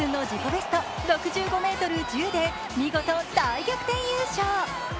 ベスト６５ｍ１０で見事、大逆転優勝。